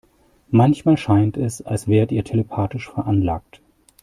Manchmal scheint es, als wärt ihr telepathisch veranlagt.